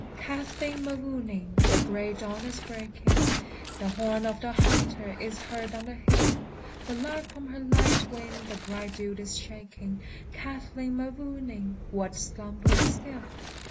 Kathleen Mavourneen! the gray dawn is breaking, The horn of the hunter is heard on the hill; The lark from her light wing the bright dew is shaking, Kathleen Mavourneen! what, slumbering still?